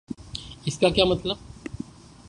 اس کا کیا مطلب؟